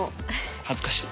恥ずかしい。